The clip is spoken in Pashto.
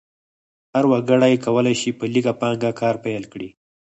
هر وګړی کولی شي په لږه پانګه کار پیل کړي.